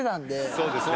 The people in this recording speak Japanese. そうですね。